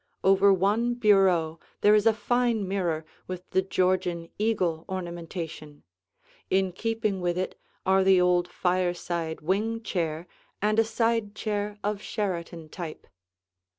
Over one bureau there is a fine mirror with the Georgian eagle ornamentation; in keeping with it are the old fireside wing chair and a side chair of Sheraton type.